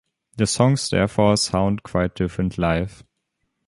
The songs therefore sound quite different live.